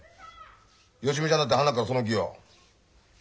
芳美ちゃんだってはなからその気よ。